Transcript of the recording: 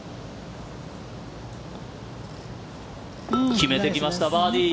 決めてきました、バーディー。